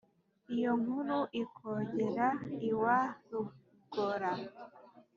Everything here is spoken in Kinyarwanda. iyo nkuru ikogera iwa rugora.